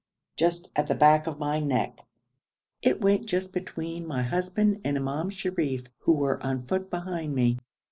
just at the back of my neck. It went just between my husband and Imam Sharif, who were on foot behind me.